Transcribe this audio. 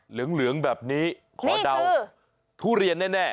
เหลืองแบบนี้ขอเดาทุเรียนแน่